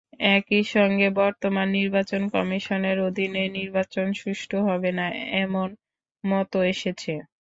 একই সঙ্গে বর্তমান নির্বাচন কমিশনের অধীনে নির্বাচন সুষ্ঠু হবে না—এমন মতও এসেছে।